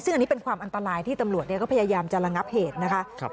ซึ่งอันนี้เป็นความอันตรายที่ตำรวจก็พยายามจะระงับเหตุนะคะ